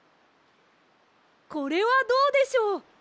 これはどうでしょう。